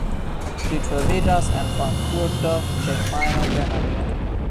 Ĝi troviĝas en Frankfurto ĉe Majno, Germanio.